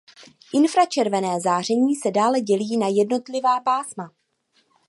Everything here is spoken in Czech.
Infračervené záření se dále dělí na jednotlivá pásma.